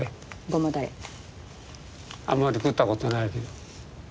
あんまり食ったことないけど。